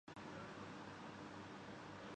نو فلس کا اضافہ کیا گیا ہے